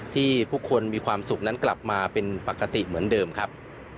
ที่ผู้คนมีความสุขนั้นกลับมาเป็นปกติเหมือนเดิมครับ